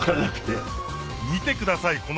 見てください